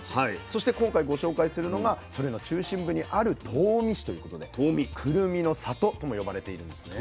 そして今回ご紹介するのがそれの中心部にある東御市ということでくるみの里とも呼ばれているんですね。